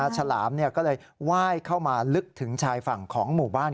ฉลามก็เลยไหว้เข้ามาลึกถึงชายฝั่งของหมู่บ้าน